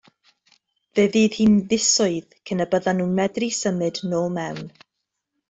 Fe fydd hi'n fisoedd cyn y byddan nhw'n medru symud nôl mewn.